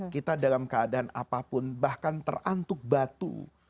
kita dalam keadaan apapun bahkan terantuk batu